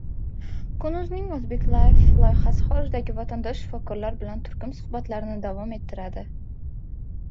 Kun.uz'ning UzbekLife loyihasi xorijdagi vatandosh shifokorlar bilan turkum suhbatlarini davom ettiradi.